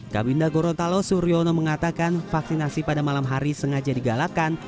kabinda gorontalo suryono mengatakan vaksinasi pada malam hari sengaja digalakan